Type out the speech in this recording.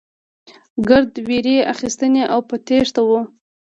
ګرد وېرې اخيستي او په تېښته وو.